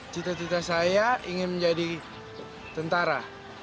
cita cita saya ingin menjadi tentara